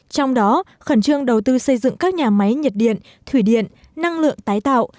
trong đó khẩn trương đầu tư xây dựng các nhà máy nhiệt điện thủy điện năng lượng tái tạo